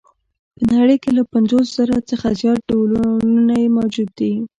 په نړۍ کې له پنځوس زره څخه زیات ډولونه یې موجود دي.